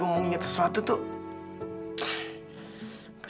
semoga ini biasa juga untuk anda